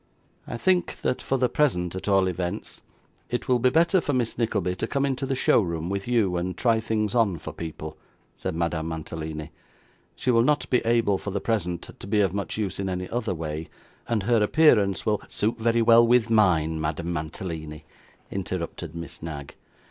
'I think that, for the present at all events, it will be better for Miss Nickleby to come into the show room with you, and try things on for people,' said Madame Mantalini. 'She will not be able for the present to be of much use in any other way; and her appearance will ' 'Suit very well with mine, Madame Mantalini,' interrupted Miss Knag.